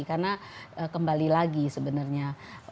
karena kembali lagi sebenarnya